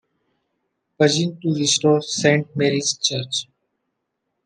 Pugin to restore Saint Mary's church.